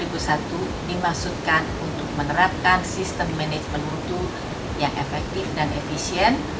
implementasi iso sembilan ribu satu dimaksudkan untuk menerapkan sistem manajemen untuk yang efektif dan efisien